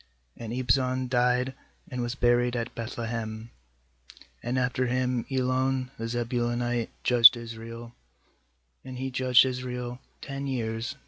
10And Ibzan died, and was buried at Beth lehem. nAnd after V>iin Elon the Zebulunite judged Israel; and he judged Israel ten years.